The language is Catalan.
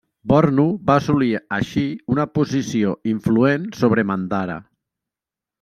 Bornu va assolir així una posició influent sobre Mandara.